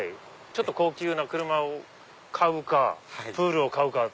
ちょっと高級な車を買うかプールを買うか。